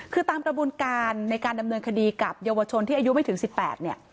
คือตามกระบวนการในการดำเนินคดีกับเยาวชนที่อายุไม่ถึง๑๘เนี่ย